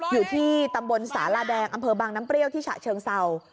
อยู่ที่ตำบลสาลาแดงอำเภอบางน้ำเปรี้ยวที่ฉะเชิงเศร้า